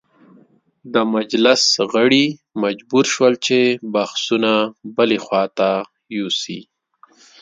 د مجلس غړي مجبور شول چې بحثونه بلې خواته یوسي.